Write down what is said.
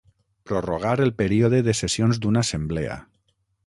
Prorrogar el període de sessions d'una assemblea.